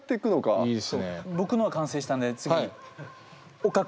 僕のは完成したんで次岡君です。